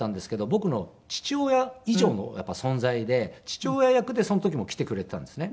僕の父親以上の存在で父親役でその時も来てくれていたんですね。